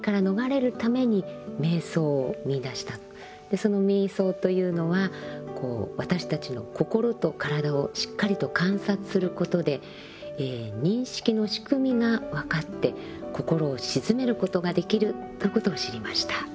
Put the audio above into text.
その瞑想というのは私たちの心と体をしっかりと観察することで認識の仕組みが分かって心を静めることができるということを知りました。